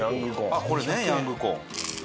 あっこれねヤングコーン。